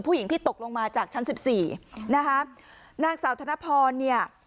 ผู้หญิงที่ตกลงมาจากชั้นสิบสี่นะคะนางสาวธนพรเนี่ย